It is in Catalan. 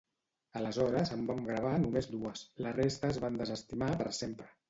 Aleshores en vam gravar només dues; la resta es van desestimar per sempre.